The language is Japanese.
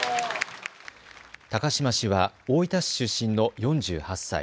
高島氏は大分市出身の４８歳。